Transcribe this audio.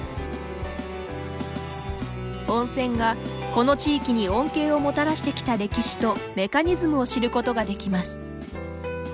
温泉がこの地域に恩恵をもたらしてきた歴史とメカニズムを知ることができます。